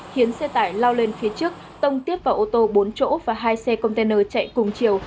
khiến xe tải lao lên phía trước tông tiếp vào ô tô bốn chỗ và hai xe container chạy cùng chiều